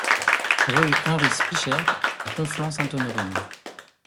Rue Henri Spysschaert à Conflans-Sainte-Honorine